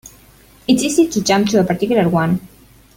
It's easy to jump to a particular one.